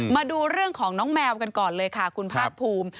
มาดูเรื่องของน้องแมวกันก่อนเลยค่ะคุณภาคภูมิ